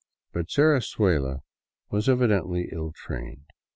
But Serrazuela was evidently ill trained.